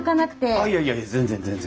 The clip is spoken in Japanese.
あっいやいや全然全然。